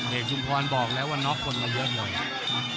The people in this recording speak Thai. เอกชุมพรบอกแล้วว่าน็อกคนมาเยอะเลย